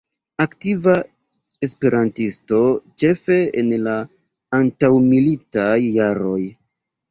Aktiva E-isto ĉefe en la antaŭmilitaj jaroj.